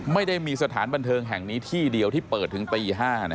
ไม่ได้มีสถานบันเทิงแห่งนี้ที่เดียวที่เปิดถึงตี๕